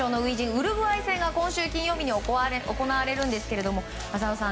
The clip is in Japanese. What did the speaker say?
ウルグアイ戦が今週金曜日に行われるんですが浅尾さん